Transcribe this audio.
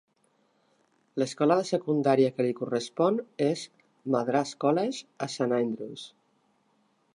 L'escola de secundària que li correspon és Madras College, a Saint Andrews.